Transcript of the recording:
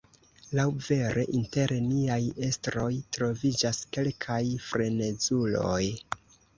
Laŭvere, inter niaj estroj troviĝas kelkaj frenezuloj.